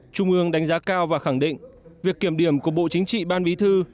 trung ương đánh giá cao và khẳng định việc kiểm điểm của bộ chính trị ban bí thư